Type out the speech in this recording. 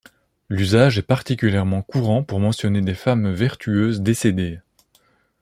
L'usage est particulièrement courant pour mentionner des femmes vertueuses décédées.